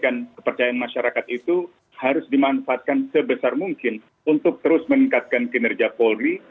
kepercayaan masyarakat itu harus dimanfaatkan sebesar mungkin untuk terus meningkatkan kinerja polri